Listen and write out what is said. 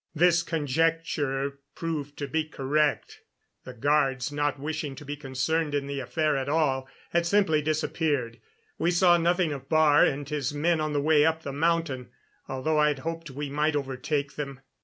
This conjecture proved to be correct. The guards, not wishing to be concerned in the affair at all, had simply disappeared. We saw nothing of Baar and his men on the way up the mountain, although I had hoped we might overtake them.